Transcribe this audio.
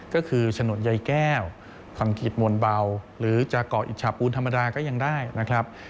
ก็คือฉนดใยแก้วคังขิตมวลเบาหรือจากเกาะอิจฉาปูนธรรมดาก็ยังได้นะครับ